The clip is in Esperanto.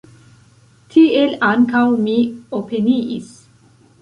Tiel ankaŭ mi opiniis.